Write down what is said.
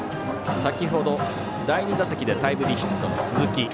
先ほど第２打席でタイムリーヒットの鈴木。